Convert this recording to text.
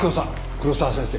黒沢先生。